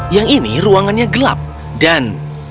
yang ini ruangannya gelap dan